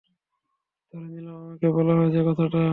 ধরে নিলাম, আমাকে বলা হয়েছে কথাটা!